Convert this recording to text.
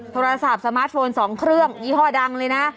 โทรศัพท์สมาร์ทโฟน๒เครื่องยี่ห้อดังเลยนะ